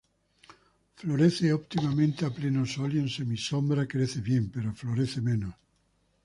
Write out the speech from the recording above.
Florece óptimamente a pleno sol, y en semisombra crece bien, pero florece menos.